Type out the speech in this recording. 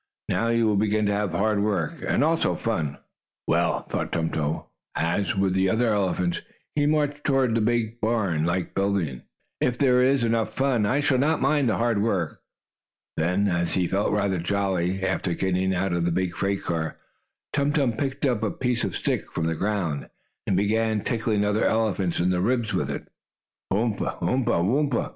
Now you will begin to have hard work, and also fun." "Well," thought Tum Tum, as, with the other elephants, he marched toward the big barn like building, "if there is enough fun, I shall not mind the hard work." Then, as he felt rather jolly, after getting out of the big freight car, Tum Tum picked up a piece of stick from the ground, and began tickling another elephant in the ribs with it. "Yoump! Umph! Woomph!"